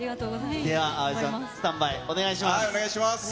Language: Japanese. では、葵さん、スタンバイおお願いします。